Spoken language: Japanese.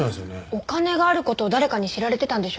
お金がある事を誰かに知られてたんでしょうか？